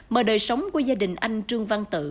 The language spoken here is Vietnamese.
mời đời sống của gia đình anh trương văn tự